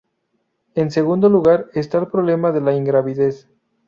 En segundo lugar está el problema de la ingravidez.